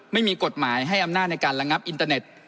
ไม่มีกฎหมายให้อำนาจในการระงับอินเตอร์เน็ต